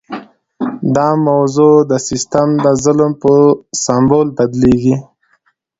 دا موضوع د سیستم د ظلم په سمبول بدلیږي.